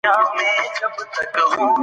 د ټولنیز تعامل نمونې تل نوې زده کړې